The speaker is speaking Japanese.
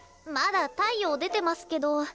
まだ太陽出てますけど。